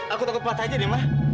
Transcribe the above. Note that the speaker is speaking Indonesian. aku takut matah aja deh ma